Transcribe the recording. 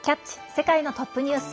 世界のトップニュース」。